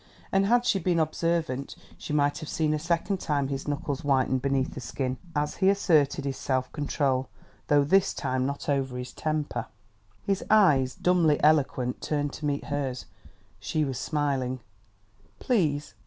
And had she been observant, she might have seen a second time his knuckles whiten beneath the skin as he asserted his self control though this time not over his temper. His eyes, dumbly eloquent, turned to meet hers. She was smiling. "Please!"